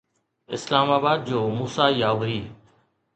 اسلام آباد جو موسيٰ ياوري